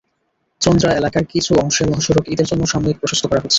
চন্দ্রা এলাকার কিছু অংশে মহাসড়ক ঈদের জন্য সাময়িক প্রশস্ত করা হচ্ছে।